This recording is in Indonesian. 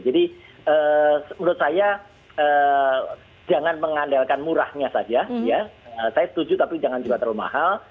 jadi menurut saya jangan mengandalkan murahnya saja saya setuju tapi jangan juga terlalu mahal